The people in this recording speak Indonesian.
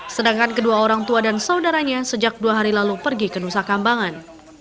sedangkan kedua orang tua dan saudaranya sejak dua hari lalu pergi ke nusa kambangan